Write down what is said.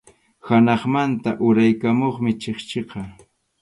Hanaqmanta uraykamuqmi chikchiqa.